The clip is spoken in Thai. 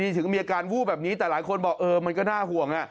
ถึงมีอาการวูบแบบนี้แต่หลายคนบอกเออมันก็น่าห่วงนะ